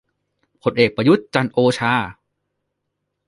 พลเอก ประยุทธ์ จันทร์โอชา